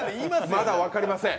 まだ分かりません。